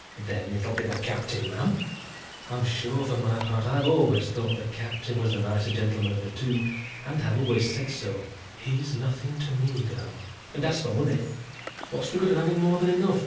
"Then it'll be the Captain, ma'am? I'm sure, for my part, I've always thought the Captain was the nicer gentleman of the two, and have always said so." "He's nothing to me, girl." "And as for money, what's the good of having more than enough?